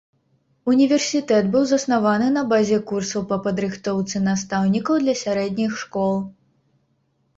Універсітэт быў заснаваны на базе курсаў па падрыхтоўцы настаўнікаў для сярэдніх школ.